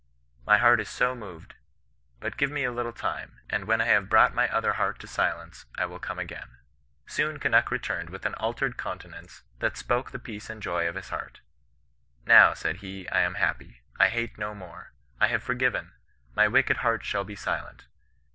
My heart is so moved ; but give me a little time ; and, when I have brought my other heart to silence, I will come again.' " Soon Kunnuk returned with an altered countenance that spoke the peace and joy of his heart. * Now,' said he, * I am happy. I hate no more. I have forgiven ; my wicked heart shall be silent.